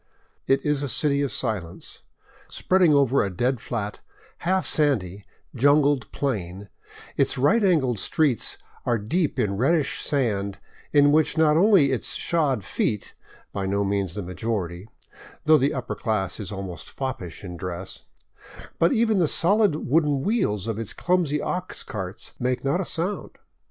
It is a city of silence. Spreading over a dead flat, half sandy, jun gled plain, its right angled streets are deep in reddish sand in which not only its shod feet — by no means in the majority, though the upper class is almost foppish in dress — but even the solid wooden wheels of its clumsy ox carts make not a sound.